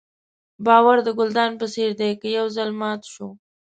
باور د ګلدان په څېر دی که یو ځل مات شو.